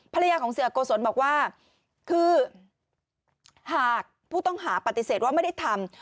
ภรรยาของเสียโกศลบอกว่าคือหากผู้ต้องหาปฏิเสธว่าไม่ได้ทำ